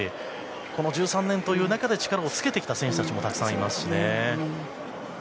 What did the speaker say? この１３年という中で力をつけてきた選手たちもたくさんいますしね。